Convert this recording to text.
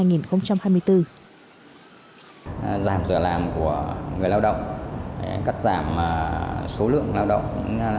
giảm giờ làm của người lao động cắt giảm số lượng lao động